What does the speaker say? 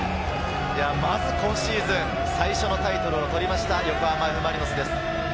まず今シーズン最初のタイトルを取りました、横浜Ｆ・マリノスです。